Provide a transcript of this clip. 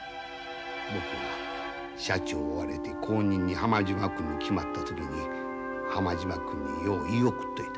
僕が社長を追われて後任に浜島君が決まった時に浜島君によう言い送っといた。